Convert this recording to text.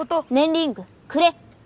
リングくれ。